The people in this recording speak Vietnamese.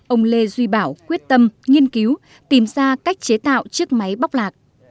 ông lê duy bảo quyết tâm nghiên cứu tìm ra cách chế tạo chiếc máy bóc lạc